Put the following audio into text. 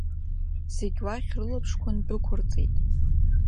Зегь уахь рылаԥшқәа ндәықәырҵеит.